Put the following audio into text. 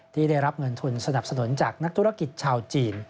ที่ได้รับเงินทุนสนับสนุนจากนักธุรกิจชาวจีน